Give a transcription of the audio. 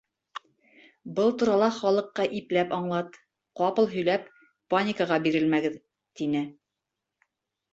Был турала халыҡҡа ипләп аңлат, ҡапыл һөйләп, паникаға бирелмәгеҙ, — тине.